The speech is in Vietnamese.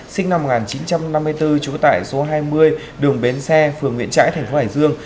sinh năm một nghìn chín trăm năm mươi bốn trú tại số hai mươi đường bến xe phường nguyễn trãi thành phố hải dương